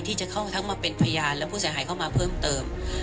ที่จะเข้าทั้งมาเป็นพยานและผู้เสียหายเข้ามาเพิ่มเติม